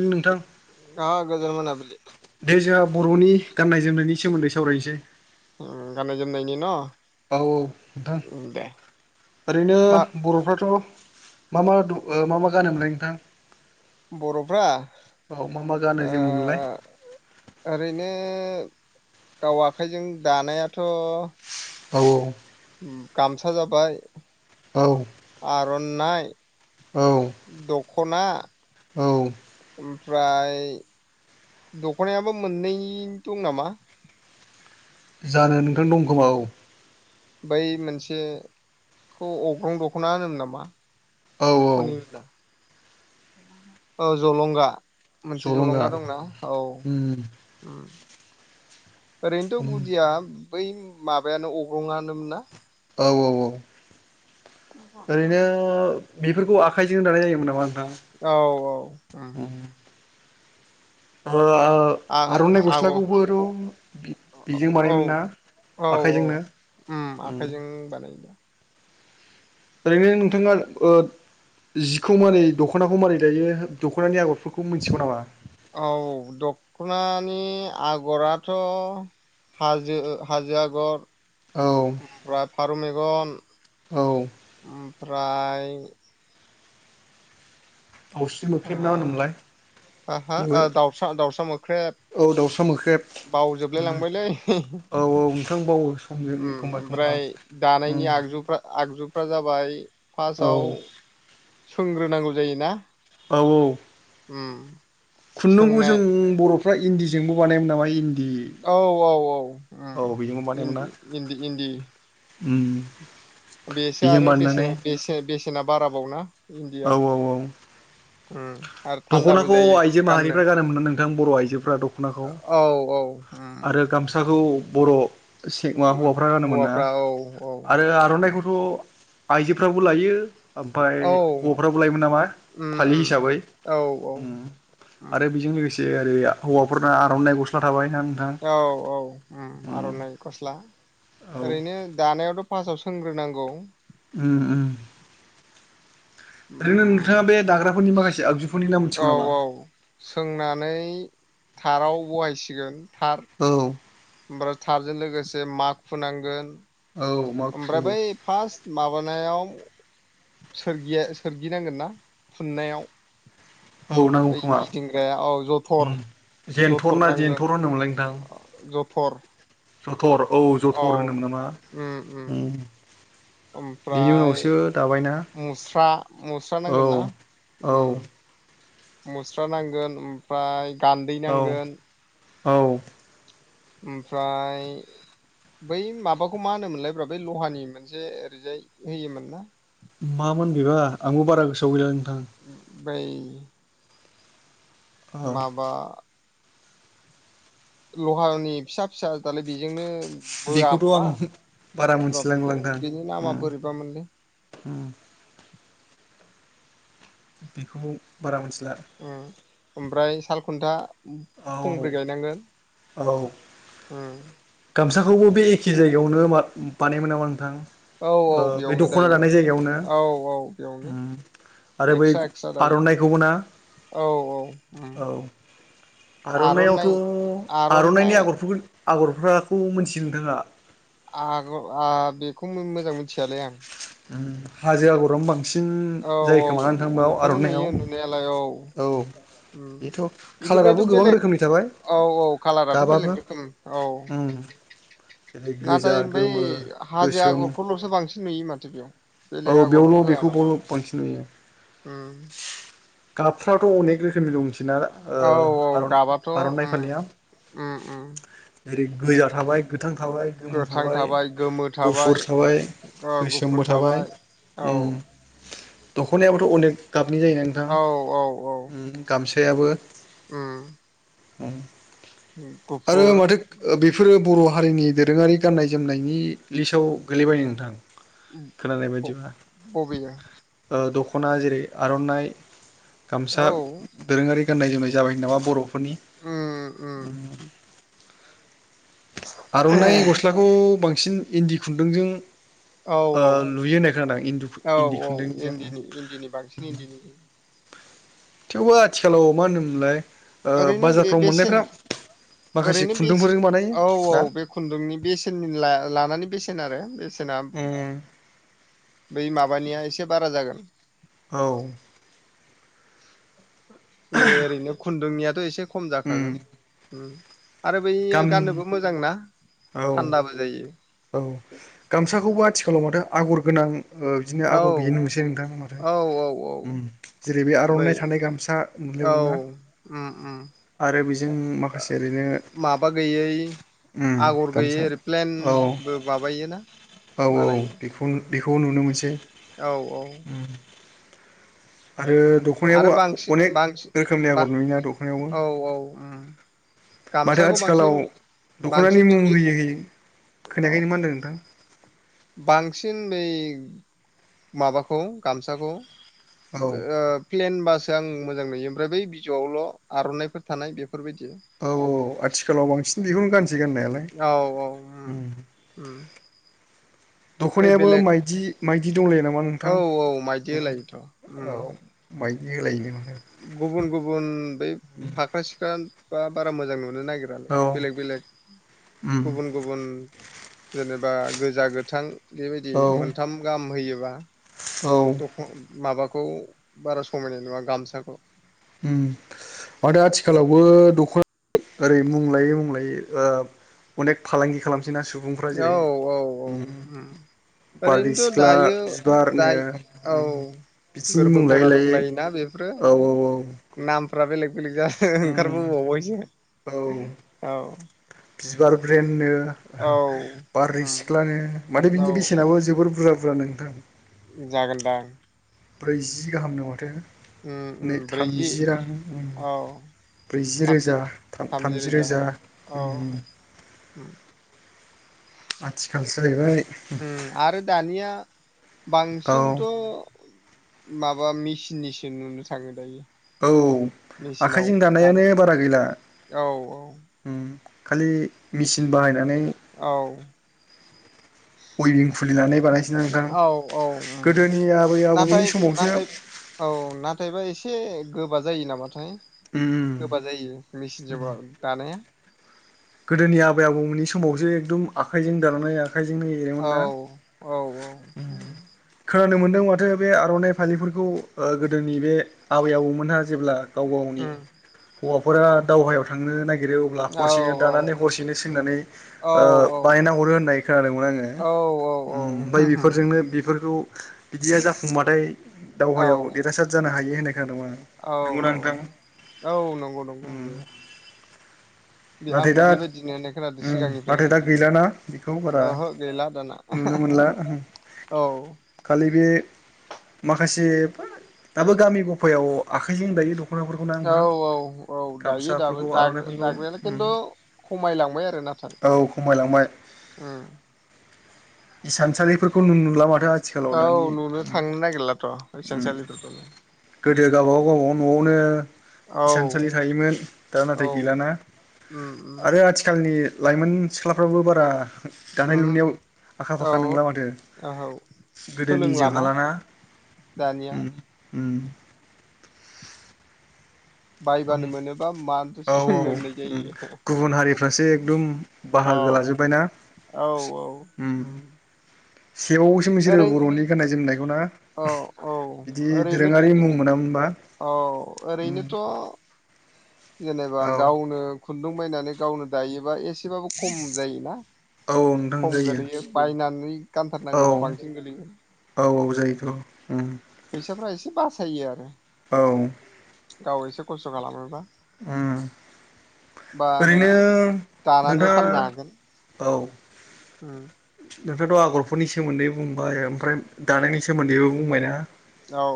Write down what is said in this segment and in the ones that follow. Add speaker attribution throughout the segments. Speaker 1: नोंथां
Speaker 2: अ गोजोन मोनाबिलि
Speaker 1: दे जोहा बर'नि गाननाय जोमनायनि सोमोन्दै सावरायनोसै।
Speaker 2: उम गाननाय जोमनायनि न'?
Speaker 1: औ औ नोंथां
Speaker 2: दे
Speaker 1: ओरैनो
Speaker 2: मा
Speaker 1: बर'फ्राथ' मा मा दु ओ मा मा गानोमोनलाय नोंथां?
Speaker 2: बर'फ्रा
Speaker 1: औ मा मा गानो
Speaker 2: ओ
Speaker 1: जोमोमोनलाय
Speaker 2: ओरैनो नो गाव आखाइजों दानायाथ'
Speaker 1: औ औ।
Speaker 2: उम गामसा जाबाय
Speaker 1: औ
Speaker 2: र'ननाइ
Speaker 1: औ।
Speaker 2: ख'ना
Speaker 1: औ।
Speaker 2: ओमफ्राय दख'नायाबो मोननै दं नामा?
Speaker 1: जानो नोंथां दं खोमा औ।
Speaker 2: बै मोनसे खौ अग्रं दख'ना होनोमोन नामा?
Speaker 1: औ औ
Speaker 2: [unintelligible] औ जलंगा मोनसे जलंगा दंना औ
Speaker 1: उम
Speaker 2: उम। ओरैनोथ'
Speaker 1: उम
Speaker 2: गुदिया बै माबायानो अग्रंआनोमोन ना?
Speaker 1: औ औ औ ओरैनो बेफोरखौ आखाइजोंनो दानाय जायोमोन नामा? नोंथां
Speaker 2: औ औ उम।
Speaker 1: ओ
Speaker 2: आ
Speaker 1: आर'नाइ
Speaker 2: आग औ
Speaker 1: गस्लाखौबोथ' बे-बेजोंनो बानायोमोन ना?
Speaker 2: औ औ
Speaker 1: आखाइजोंनो
Speaker 2: उम आखाइजोंनो बानायोदा।
Speaker 1: ओरैनो नोंथांङा ओ जिखौ मारै दख'नाखौ मारै दायो दख'नानि आगरफोरखौ मिथिगौ नामा?
Speaker 2: औ दख'नानि आगराथ' हाजो हाजो आगर
Speaker 1: औ
Speaker 2: ओमफ्राय फारौ मेगन
Speaker 1: औ
Speaker 2: ओम फ्राय
Speaker 1: दावस्रि मोख्रेब ना ओनोमोनलाय?
Speaker 2: आ हा आ दाउसा दाउसा मोख्रेब।
Speaker 1: औ दाउसा
Speaker 2: बावजोबलाय लांबायलै
Speaker 1: मोख्रेब। समजों
Speaker 2: उम
Speaker 1: एखमबा एखमबा
Speaker 2: ओमफ्राय दानायनि
Speaker 1: उम
Speaker 2: आगजुफ्रा आगजु फ्रा जाबाय
Speaker 1: औ
Speaker 2: फार्स्टआव सोंग्रोनांगौ जायोना?
Speaker 1: औ औ
Speaker 2: उम।
Speaker 1: खुननांगौ
Speaker 2: सोंनाय
Speaker 1: जों बर'फ्रा इन्न्दीजोंबो बानायोमोन नामा इन्दि
Speaker 2: औ औ औ उम
Speaker 1: औ बेजोंबो बानायोमोन ना
Speaker 2: इन्दि इन्दि इन्दि।
Speaker 1: उम।
Speaker 2: बेसो
Speaker 1: बेजों
Speaker 2: आरो
Speaker 1: बानायनानै
Speaker 2: बेसेना बेसे बेसेना बाराबाव ना?
Speaker 1: औ औ औ।
Speaker 2: उम आरो थान्दाबो
Speaker 1: दख'नाखौ
Speaker 2: जायो
Speaker 1: आइजो
Speaker 2: गाननो
Speaker 1: माहारिफ्रा गानोमोन्ना नोंथां बर' आइजोफ्रा दख'नाखौ
Speaker 2: औ औ उम
Speaker 1: आरो गामसाखौ बर' सें मा
Speaker 2: उम
Speaker 1: हौवाफ्रा गानोमोन ना
Speaker 2: हौवाफ्रा औ औ
Speaker 1: आरो आर'नाइखौथ' आइजोफ्राबो लायो ओमफ्राय
Speaker 2: औ
Speaker 1: हौवाफ्राबो लायोमोन नामा
Speaker 2: उम
Speaker 1: फालि
Speaker 2: उम
Speaker 1: हिसाबै?
Speaker 2: औ औ
Speaker 1: उम
Speaker 2: उम
Speaker 1: आरो बेजों लोगोसे ओरै हौवाफोरना आर'नाइ गस्ला थाबाय। ना नोंथां
Speaker 2: औ औ उम आर'नाइ गस्ला
Speaker 1: औ
Speaker 2: ओरैनो दानायावथ' फासाव सोंग्रोनांगौ।
Speaker 1: उम उम। ओरैनो
Speaker 2: उम
Speaker 1: नोंथांङा बे दाग्राफोरनि माखासे आगजुफोरनि नाम मिथिगौ
Speaker 2: औ
Speaker 1: नामा?
Speaker 2: औ सोंनानै थाराव बहायसिगोन।
Speaker 1: औ
Speaker 2: ओमफ्रा थारजों लोगोसे माखु नांगोन।
Speaker 1: औ माखु
Speaker 2: ओमफ्राय बै फार्स माबानायाव सोरगिया सोरगिनांगोन ना फुननायाव।
Speaker 1: औ नांगौ
Speaker 2: बै
Speaker 1: खोमा
Speaker 2: गिदिंग्राया औ जथर
Speaker 1: उम जेनथर
Speaker 2: जथर
Speaker 1: ना
Speaker 2: नांगोन
Speaker 1: जेनथर होनोमोनलाय नोंथां
Speaker 2: आ जथर
Speaker 1: जथर औ जथर
Speaker 2: औ
Speaker 1: होनोमोन नामा
Speaker 2: उम
Speaker 1: बिनि
Speaker 2: ओमफ्राय
Speaker 1: उनावसो दाबायना
Speaker 2: मुस्रा मुस्रा
Speaker 1: औ
Speaker 2: नांगोन ना उम
Speaker 1: औ
Speaker 2: मुस्रा नांगोन ओमफ्राय गान्दै
Speaker 1: औ
Speaker 2: नांगोन
Speaker 1: औ
Speaker 2: ओमफ्राय बै माबाखौ मा होनोमोनलाय ब्रा बै लहानि मोनसे ओरैजाय होयोमोन ना।
Speaker 1: मामोन बिबा आंबो बारा गोसोआव गैला नोंथां
Speaker 2: बै
Speaker 1: अ
Speaker 2: माबा लहानि फिसा फिसा दालाय बेजोंनो
Speaker 1: बेखौथ' आं
Speaker 2: बोआबा
Speaker 1: बारा
Speaker 2: र
Speaker 1: मोनथिलांला
Speaker 2: बिखौ बिनि नामा बोरैबा मोनलै
Speaker 1: हो बेखौबो बारा मोनसे
Speaker 2: ओमफ्राय सालखुन्था थंब्रै
Speaker 1: औ
Speaker 2: गायनांगोन
Speaker 1: औ
Speaker 2: होम
Speaker 1: गामसाखौबो बे एखे जायगायावनो बानायोमोन नामा नोंथां
Speaker 2: औ औ
Speaker 1: बे
Speaker 2: बेयावनो
Speaker 1: दख'ना
Speaker 2: दायो
Speaker 1: दानाय जायगायावनो
Speaker 2: औ औ बेयावनो
Speaker 1: आरो बै
Speaker 2: एक्सट्रा एक्सट्रा दायो
Speaker 1: आर'नाइखौबो ना
Speaker 2: औ औ उम
Speaker 1: औ आर'नाइ आवथ' आर'नाइनि
Speaker 2: आर'नाइ
Speaker 1: आगरफोर आगरफोरखौ मोनथियो नोंथाङा।
Speaker 2: आगर आं बेखौ मोजां मिथियालै आं
Speaker 1: हाजो आगर बा बांसिन
Speaker 2: औ
Speaker 1: जायोखोमा
Speaker 2: औ
Speaker 1: नोंथांबाव
Speaker 2: बेखौनो
Speaker 1: आर'नाइआव
Speaker 2: नुयो नुनायालाय
Speaker 1: औ।
Speaker 2: उम
Speaker 1: बेथ'
Speaker 2: बिनिफ्रायथ'
Speaker 1: कालाराबो गोबां
Speaker 2: बेलेग
Speaker 1: रोखोमनि थाबाय।
Speaker 2: औ औ कालाराथ'
Speaker 1: गाबाबो
Speaker 2: बेलेग रोखोम औ।
Speaker 1: उम जेरै गोजा
Speaker 2: नाथाय
Speaker 1: गोमो
Speaker 2: हाजो
Speaker 1: गोसोम
Speaker 2: आगरखौल'सो बांसिन नुयो माथो बेयाव। बेलेग
Speaker 1: औ बेयावल' बेखौ बावल' बांसिन नुयो।
Speaker 2: होम।
Speaker 1: गाबफ्राथ' अनेक रोखोमनि दंसै। बिना
Speaker 2: औ औ
Speaker 1: ओ
Speaker 2: गाबाथ'
Speaker 1: आर'नाइ
Speaker 2: उम
Speaker 1: फालिया।
Speaker 2: उम उम
Speaker 1: ओरै गोजा थाबाय गोथां थाबाय गोमो थाबाय गुफुर थाबाय
Speaker 2: ओ
Speaker 1: गोसोम।
Speaker 2: गुफुर थाबाय औ।
Speaker 1: दख'नायाबोथ' अनेक गाबनि जायोना
Speaker 2: औ
Speaker 1: नोंथां गामसायाबो।
Speaker 2: ओम
Speaker 1: आरो माथो बेफोरो बर' हारिनि दोरोङारि गाननाय जोमनायनि लिस्टआव गोलैबाय नोंथां खोनानाय बायदि।
Speaker 2: बबेयो?
Speaker 1: ओ दख'ना जेरै आर'नाइ
Speaker 2: औ
Speaker 1: गामसा दोरोङारि। गाननाय जोमनाय जाबाय नामा बर'फोरनि।
Speaker 2: उम उम
Speaker 1: आर'नाइ गस्लाखौ बांसिन इन्दि खुन्दुंजों
Speaker 2: औ
Speaker 1: ओ
Speaker 2: औ
Speaker 1: लुयोनो।
Speaker 2: औ
Speaker 1: इन्दि खुन्दुंनि
Speaker 2: औ
Speaker 1: जिआ।
Speaker 2: इन्दिनि इन्दिनि बांसिन इन्दिनि
Speaker 1: थेवबो आथिखालाव मा होनोमोनलाय
Speaker 2: ओरैनो बे
Speaker 1: बाजारफ्राव
Speaker 2: बेसे
Speaker 1: मोननायफ्रा माखासे
Speaker 2: ओरैनो बेसे
Speaker 1: खुन्दुंफोरजों बानायो
Speaker 2: औ औ बे खुन्दुंनि बेसेननि लानानै बेसेन आरो बेसेना बै माबानिया एसे बारा जागोन।
Speaker 1: औ
Speaker 2: बे ओरैनो खुन्दुंनियाथ' एसे खम
Speaker 1: उम
Speaker 2: जाखागोन। आरो बैयो
Speaker 1: गाम
Speaker 2: गाननोबो मोजांना
Speaker 1: औ
Speaker 2: थान्दाबो जायो।
Speaker 1: औ गामसाखौबो आथिखालाव माथो आगर गोनां। ओ बिदिनो
Speaker 2: औ
Speaker 1: आगर गैयि नसै नोंथाङा माथो
Speaker 2: औ औ औ
Speaker 1: ओम। जेरै बे
Speaker 2: बै
Speaker 1: आर'नाइ थानाय गामसा
Speaker 2: औ
Speaker 1: मोनलायबावोना।
Speaker 2: उम उम
Speaker 1: आरो बेजों माखासे ओरैनो
Speaker 2: माबा गैयै
Speaker 1: ओम गामसा ।
Speaker 2: ओम बो माबायोना बानायो
Speaker 1: बेखौ बेखौ नुनो मोनसै
Speaker 2: औ औ।
Speaker 1: आरो
Speaker 2: आरो
Speaker 1: दख'नायाबो
Speaker 2: बांसिन बांसिन
Speaker 1: अनेक रोखोमनि
Speaker 2: बा
Speaker 1: आगर नुयोना दख'नायावबो।
Speaker 2: औ औ उम
Speaker 1: माथो
Speaker 2: गामसाखौ बांसिन
Speaker 1: आथिखालाव
Speaker 2: बांसिन
Speaker 1: दख'नानि
Speaker 2: बे
Speaker 1: मुं
Speaker 2: गि
Speaker 1: होयै होयै।
Speaker 2: औ
Speaker 1: खोनायाखैनो मा होनदों नोंथां?
Speaker 2: बांसिन बै माबाखौ गामसाखौ
Speaker 1: औ
Speaker 2: ओ प्लेन बासो आं मोजां नुयो ओमफ्राय बै बिजौआवल' आर'नाइफोर थानाय बेफ
Speaker 1: औ औ आथिखालाव बांसिन बेखौनो गान सिगनायालाय
Speaker 2: औ औ उम
Speaker 1: ओम।
Speaker 2: उम बै बेलेग
Speaker 1: दंलायो नामा
Speaker 2: औ
Speaker 1: नोंथां
Speaker 2: औ माइदि
Speaker 1: उम
Speaker 2: होलायोथ'
Speaker 1: औ
Speaker 2: ओम।
Speaker 1: माइदि होलायनो
Speaker 2: गुबुन गुबुन बै फाख्रा सिखरा बा बारा मोजां नो नो नागिरालाय
Speaker 1: औ
Speaker 2: बेलेक बेलेक
Speaker 1: उम
Speaker 2: गुबुन गुबुन। जेनेबा गोजा गोथां बेबायदि
Speaker 1: औ
Speaker 2: मोनथाम गाहाम होयोबा।
Speaker 1: औ
Speaker 2: दख माबाखौ बारा समायनाय नुवा गामसाखौ।
Speaker 1: ओम माथो आथिखालावबो दख'ना ओरै मुंलायै मुंलायै ओ अनेक फालांगि खालाम। नो सुबुंफ्रा
Speaker 2: औ
Speaker 1: जेरै
Speaker 2: औ औ
Speaker 1: ओम।
Speaker 2: उम
Speaker 1: बारदै
Speaker 2: ओरैनोथ'
Speaker 1: सिख्ला
Speaker 2: दायो
Speaker 1: बिबारनो
Speaker 2: दाय औ
Speaker 1: ओम बिथिनि
Speaker 2: गोरबो
Speaker 1: मुं लायै
Speaker 2: खना
Speaker 1: लायै
Speaker 2: दंलायोना बेफोरो
Speaker 1: औ औ औ।
Speaker 2: नामफ्रा बेलेग बेलेग जादो
Speaker 1: उम
Speaker 2: ओंखारबोबावबायसो
Speaker 1: औ
Speaker 2: औ
Speaker 1: बिबार ब्रेन नो
Speaker 2: औ
Speaker 1: बारै
Speaker 2: उम
Speaker 1: सिख्लानो माथो
Speaker 2: औ
Speaker 1: बिनि बेसेनाबो जोबोर बुरजा बुर जा नोंथां
Speaker 2: जागोनदां
Speaker 1: ब्रैजि गाहाम दं
Speaker 2: उम
Speaker 1: माथो
Speaker 2: उम
Speaker 1: नै
Speaker 2: ब्रैजि
Speaker 1: थामजि रां
Speaker 2: औ
Speaker 1: ब्रैजि
Speaker 2: थामजि
Speaker 1: रोजा थाम थामजि रोजा
Speaker 2: ओम
Speaker 1: आथिखालसोहैबाय
Speaker 2: ओम आरो दानिया
Speaker 1: औ
Speaker 2: बांसिनथ' माबा मेचिननिसो नुनो थाङो दायो
Speaker 1: औ
Speaker 2: मेचिनाव
Speaker 1: आखायजों दानायानो
Speaker 2: दानाय
Speaker 1: बारा गैला
Speaker 2: औ
Speaker 1: ओम खालि मेचिन बाहायनाय
Speaker 2: औ
Speaker 1: उइबिं खुलिनानै बानायसैना नोंथां
Speaker 2: औ औ
Speaker 1: गोदोनि
Speaker 2: ओम
Speaker 1: आबै
Speaker 2: नाथाय
Speaker 1: आबौमोननि समावसो
Speaker 2: नाथाय औ नाथायबा एसे गोबा जायो नामाथाय
Speaker 1: उम
Speaker 2: गोबा जायो मेचिनजों दानाया
Speaker 1: गोदोनि आबै आबौमोननि समावसो एकदम आखाइजों दानायनैै आखाइजोंनो एरोमोन
Speaker 2: औ
Speaker 1: ना
Speaker 2: औ औ उम
Speaker 1: खोना आनो मोन्दों माथो बे आर'नाइ फालिफोरखौ गोदोनि बे आबै आबौमोनहा जेब्ला गाव गावनि
Speaker 2: उम
Speaker 1: हौवाफोरा दावहायाव थांनो नागिरो अब्ला
Speaker 2: औ
Speaker 1: हरसे दानानै हरसेनो सोंनानै
Speaker 2: औ
Speaker 1: ओ बायना हरो होनना खोनादोंमोन आङो
Speaker 2: औ
Speaker 1: ओम ओमफ्राय
Speaker 2: औ
Speaker 1: बेफोरजोंनो बेफोरखौ बिदिया जाफुंबाथाय दावहायाव देरहासार जानो हायो होननाय खोनादोंमोन नोंगौ नांथां
Speaker 2: औ नंगौ नंगौ बेयो बे
Speaker 1: नाथाय
Speaker 2: आंबो
Speaker 1: दा
Speaker 2: बेबायदिनो होननाय खोनादों
Speaker 1: ओम नाथाय
Speaker 2: सिगांनिफ्रायनो
Speaker 1: दा गैलाना बेखौ बारा
Speaker 2: ओहो गैला दाना
Speaker 1: नुनो मोनला ला
Speaker 2: औ
Speaker 1: बे माखासे दाबो गामि गफायाव आखाइजों दायो थ दखनाफोरखौ ना
Speaker 2: औ
Speaker 1: नोंथां
Speaker 2: औ औ दायो दाबो
Speaker 1: गामसाफोरखौ
Speaker 2: दाग्रा
Speaker 1: आर'नाइफोरखौ
Speaker 2: दाग्रायालाय
Speaker 1: ओम
Speaker 2: खिन्थु खमायलांबाय आरो नाथाय
Speaker 1: औ खमायलांबाय
Speaker 2: उम
Speaker 1: हिसानसालिफोरखौनो नुुला माथो आजि आथिखालाव
Speaker 2: औ
Speaker 1: दानि
Speaker 2: नुनो
Speaker 1: ओम
Speaker 2: थांनो नागिरलाथ'
Speaker 1: ओम
Speaker 2: हिसानसालिफोरखौनो
Speaker 1: गोदो गावबागाव गावबागाव न'आवनो
Speaker 2: औ
Speaker 1: इसानसालि थायोमोन दा
Speaker 2: औ
Speaker 1: नाथाय गैलाना
Speaker 2: उम उम
Speaker 1: आरो आथिखालनि लाइमोन सिख्लाफ्राबो बारा दानाय लुनायाव
Speaker 2: उमहो
Speaker 1: आखा फाखा नोंला माथो
Speaker 2: औ औ
Speaker 1: गोदोनि जों
Speaker 2: सोलोंलाना
Speaker 1: हालाना
Speaker 2: दानिया
Speaker 1: ओम ओम
Speaker 2: बायबानो मोनोबा मानोथो
Speaker 1: औ औ
Speaker 2: सोलोंनो होननाय
Speaker 1: ओम
Speaker 2: जायो
Speaker 1: गुबुन हारिफ्रासो एकदम बाहागो लोगो
Speaker 2: औ
Speaker 1: लाजोबबायना
Speaker 2: औ औ
Speaker 1: सेबायोसो मोनसोरो
Speaker 2: ओरै
Speaker 1: बर'नि गाननाय जोमनायखौ ना
Speaker 2: औ औ
Speaker 1: बिदि
Speaker 2: ओरैनो
Speaker 1: दोरोङारि मुं मोनामोनबा
Speaker 2: औ
Speaker 1: उम
Speaker 2: ओरैनोथ' जेनेबा
Speaker 1: औ
Speaker 2: गावनो खुन्दुं बायनानै गावनो दायोबा एसेबाबो खम जायोना
Speaker 1: औ नोंथां
Speaker 2: खम
Speaker 1: जायो
Speaker 2: गोलैयो बायनानै
Speaker 1: औ
Speaker 2: गानथारनांगौबा बांसिन गोलैयो
Speaker 1: औ औ जायोथ'उम
Speaker 2: फैसाफ्रा एसे बासायो आरो
Speaker 1: औ
Speaker 2: गाव एसे खस्थ' खालामोबा
Speaker 1: ओ
Speaker 2: बा
Speaker 1: ओरैनो
Speaker 2: दानानैबो फाननो हागोन
Speaker 1: नोंथांआ औ
Speaker 2: उम
Speaker 1: नोंथांआथ आगरफोरनि सोमोन्दै बुंबाय ओमफ्राय दानायनि सोमोन्दैबो बुंबायना
Speaker 2: औ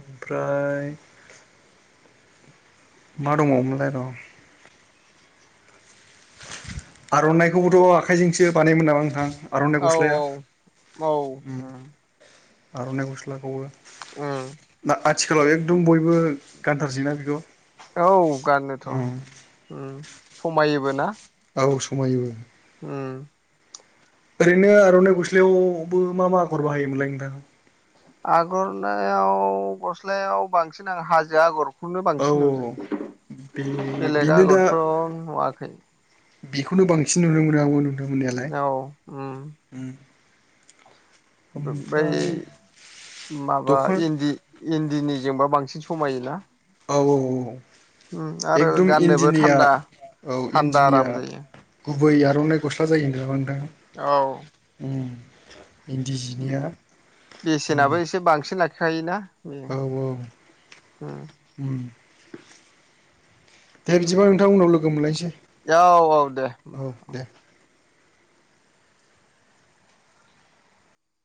Speaker 1: ओमफ्राय मा दङमोनलाय र' आर'नाइखौबोथ' आखाइजोंसो बानाय मोन नामा थां आर'नाइ
Speaker 2: औ
Speaker 1: गस्लाया
Speaker 2: औ
Speaker 1: उम
Speaker 2: उम
Speaker 1: आर'नाइ गस्लाखौबो
Speaker 2: उम
Speaker 1: ना आथिखालाव एकदम बयबो गानथारसैना बेखौ ।
Speaker 2: औ गानोथ' उम समायोबो ना ।
Speaker 1: औ समायोबो ।
Speaker 2: उम
Speaker 1: ओरैनो आर'नाइ गस्लायावबो मा मा आगर बाहायोमोनलाय नोंथांखौ?
Speaker 2: आगरनायाव गस्लायाव बांसिन आं हाजो आगर खौनो
Speaker 1: औ
Speaker 2: बांसिन नुदों
Speaker 1: बे
Speaker 2: बेलेग
Speaker 1: बेनो दा
Speaker 2: आगरथ' नुवाखै।
Speaker 1: बेखौनो बांसिन नुनो मोनो आंबो नुनो मोननायालाय
Speaker 2: औ उम
Speaker 1: उम
Speaker 2: बै माबा
Speaker 1: दख'ना
Speaker 2: इन्दि इन्दिनिजोंबो बांसिन समायोना।
Speaker 1: औ औ औ
Speaker 2: उम आरो
Speaker 1: एकदम
Speaker 2: गाननोबो
Speaker 1: इन्दिनिया
Speaker 2: थान्दा
Speaker 1: औ
Speaker 2: थान्दा
Speaker 1: इन्दिनिया
Speaker 2: आराम जायो
Speaker 1: गुबै आर'नाइ गस्ला जायो नामा नोंथां
Speaker 2: औ
Speaker 1: उम। इन्दि जिनिया उम
Speaker 2: बेसेनाबो एसे बांसिन लाखिखायोना ।
Speaker 1: औ औ उम दे बिदिबा नोंथां उनाव लोगो मोनलायसै।
Speaker 2: औ औ दे ।